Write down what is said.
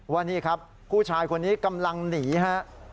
ว่านี่ครับผู้ชายคนนี้กำลังหนีฮะ